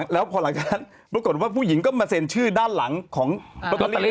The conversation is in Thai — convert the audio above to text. แล้วพอหลังจากนั้นปรากฏว่าผู้หญิงก็มาเซ็นชื่อด้านหลังของลอตเตอรี่